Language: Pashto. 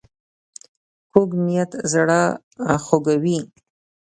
کوږ نیت زړه خوږوي